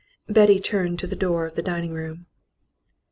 Betty turned to the door of the dining room.